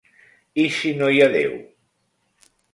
I si no hi ha déu?